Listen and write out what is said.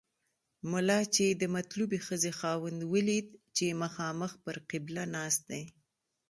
ملا چې د مطلوبې ښځې خاوند ولید چې مخامخ پر قبله ناست دی.